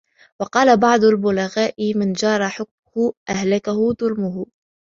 وَقَالَ بَعْضُ الْبُلَغَاءِ مَنْ جَارَ حُكْمُهُ أَهْلَكَهُ ظُلْمُهُ